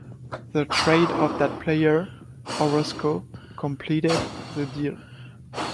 The trade of that player, Orosco, completed the deal.